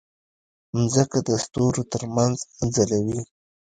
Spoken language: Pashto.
مځکه د ستورو ترمنځ ځلوي.